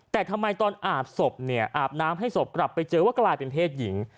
แต่ทำไมตอนอาบศพเนี่ยอาบน้ำให้ศพกลับไปเจอว่ากลายเป็นเพศหญิง